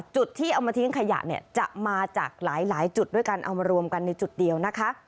จุดที่เอามาทิ้งขยะเนี่ยจะมาจากหลายจุดด้วยกันเอามารวมกันในจุดเดียวนะคะ